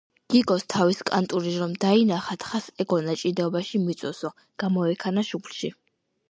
გიგოს თავის კანტური რომ დაინახა, თხას ეგონა, ჭიდაობაში მიწვევსო, გამოექანა, შუბლში